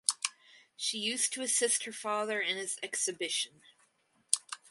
She used to assist her father in his exhibition.